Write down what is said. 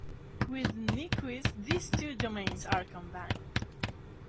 With Nyquist these two domains are combined.